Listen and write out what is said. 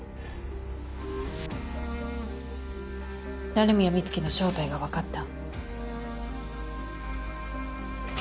鳴宮美月の正体が分かった。